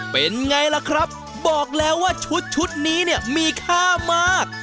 เป็นไงล่ะครับบอกแล้วว่าชุดชุดนี้เนี่ยมีค่ามาก